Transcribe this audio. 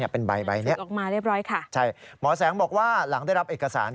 เป็นใบนี้ใช่หมอแสงบอกว่าหลังได้รับเอกสาร